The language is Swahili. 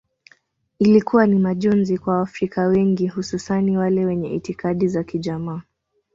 Ilikuwa ni majonzi kwa waafrika wengi hususani wale wenye itikadi za kijamaa